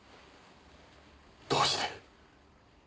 どうして？